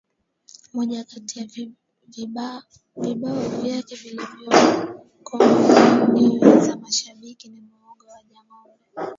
Moja Kati ya vibao vyake vilivyokonga nyoyo za mashabiki ni muhogo wa jangombe